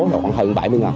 là khoảng hơn bảy mươi